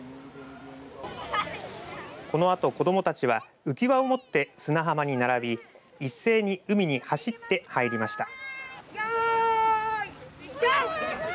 このあと子どもたちは浮き輪を持って砂浜に並び一斉に海に走って入りました。